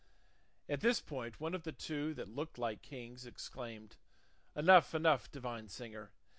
At this point one of the two that looked like kings exclaimed, "Enough, enough, divine singer!